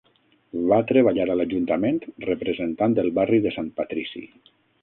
Va treballar a l'ajuntament representant el barri de Sant Patrici.